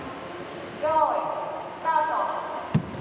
よいスタート。